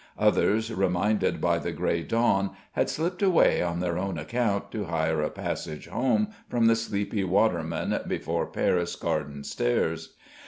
Others, reminded by the grey dawn, had slipped away on their own account to hire a passage home from the sleepy watermen before Paris Garden Stairs.